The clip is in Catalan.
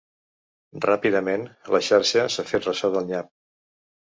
Ràpidament, la xarxa s’ha fet ressò del nyap.